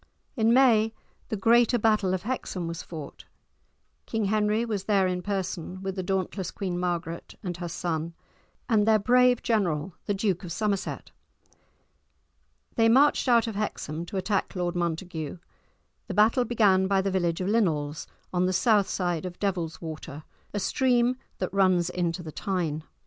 In May the greater battle of Hexham was fought. King Henry was there in person, with the dauntless Queen Margaret and her son, and their brave general, the Duke of Somerset. They marched out of Hexham to attack Lord Montague; the battle began by the village of Linnels, on the south side of the Devil's Water, a stream that runs into the Tyne.